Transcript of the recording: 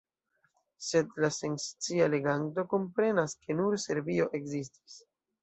Sed la senscia leganto komprenas, ke nur Serbio ekzistis.